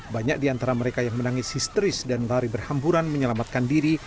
banyak di antara mereka yang menangis histeris dan lari berhamburan menyelamatkan diri